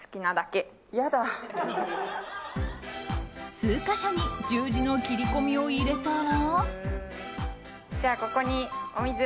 数か所に十字の切り込みを入れたら。